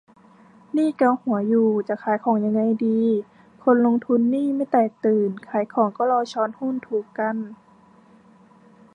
นี่เกาหัวอยู่ จะขายของยังไงดี คนลงทุนนี่ไม่แตกตื่นขายของก็รอช้อนหุ้นถูกกัน